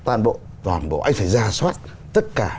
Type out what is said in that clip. anh phải ra soát tất cả